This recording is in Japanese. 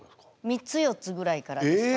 ３つ４つぐらいからですか。